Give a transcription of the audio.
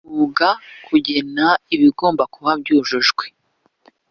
mwuga kugena ibigomba kuba byujujwe